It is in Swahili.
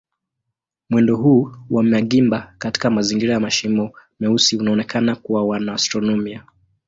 Mwendo huu wa magimba katika mazingira ya mashimo meusi unaonekana kwa wanaastronomia.